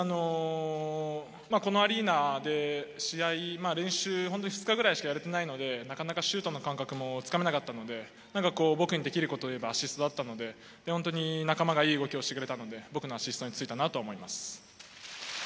このアリーナでの試合、練習、２日くらいしかやれてないので、なかなかシュートの感覚もつかめなかったので、僕にできることといえばアシストだったので、仲間がいい動きをしてくれたので、僕のアシストについたなと思います。